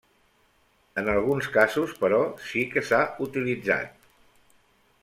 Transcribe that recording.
En alguns casos, però, sí que s'ha utilitzat.